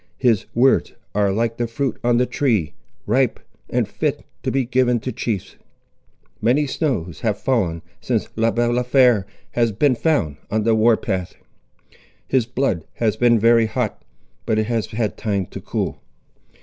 His words are like the fruit on the tree, ripe and fit to be given to chiefs. "Many snows have fallen since Le Balafré has been found on the war path. His blood has been very hot, but it has had time to cool.